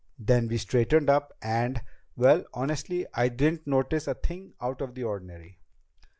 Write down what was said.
Then we straightened up, and Well, I honestly didn't notice a thing out of the ordinary."